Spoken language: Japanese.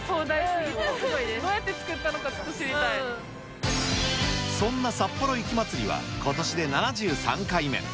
どうやって作ったのか知りたそんなさっぽろ雪まつりは、ことしで７３回目。